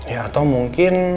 ya atau mungkin